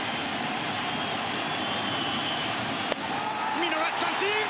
見逃し三振。